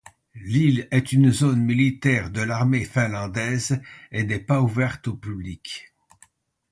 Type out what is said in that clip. L'île est une zone militaire de l'armée finlandaise et n'est pas ouverte au public.